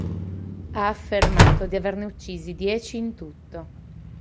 Ha affermato di averne uccisi dieci in tutto.